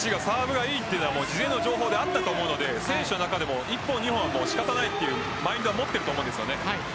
モジッチがサーブが良いのは事前の情報であったと思うので選手の中でも１本、２本は仕方ないというマインド持っているとも思います。